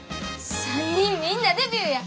３人みんなデビューや！